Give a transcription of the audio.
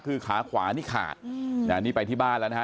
คือขาขวานี่ขาดนี่ไปที่บ้านแล้วนะฮะ